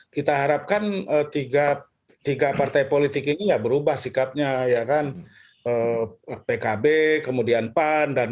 kita harapkan tiga partai politik ini ya berubah sikapnya ya kan pkb kemudian pan dan